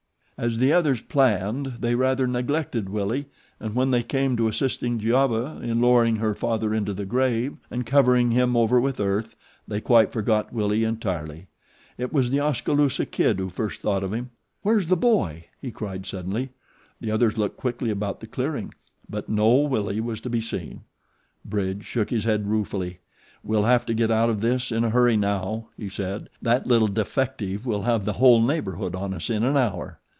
As the others planned they rather neglected Willie and when they came to assisting Giova in lowering her father into the grave and covering him over with earth they quite forgot Willie entirely. It was The Oskaloosa Kid who first thought of him. "Where's the boy?" he cried suddenly. The others looked quickly about the clearing, but no Willie was to be seen. Bridge shook his head ruefully. "We'll have to get out of this in a hurry now," he said. "That little defective will have the whole neighborhood on us in an hour."